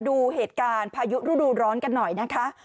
ดูเหตุการณ์พายุฤดูร้อนกันหน่อยนะคะ